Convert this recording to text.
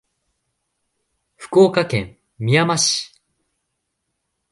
福岡県みやま市